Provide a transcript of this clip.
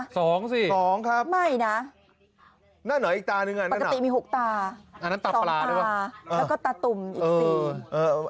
สองสิไม่นะปกติมีหกตาสองตาแล้วก็ตาตุ่มอีกสิ่ง